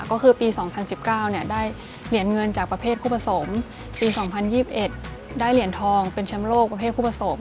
ก็คือปี๒๐๑๙ได้เหรียญเงินจากประเภทคู่ผสมปี๒๐๒๑ได้เหรียญทองเป็นแชมป์โลกประเภทคู่ผสม